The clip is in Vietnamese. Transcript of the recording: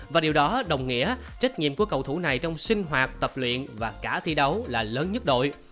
và điều đó đồng nghĩa trách nhiệm của cầu thủ này trong sinh hoạt tập luyện và cả thi đấu là lớn nhất đội